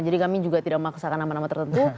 jadi kami juga tidak memaksakan nama nama tertentu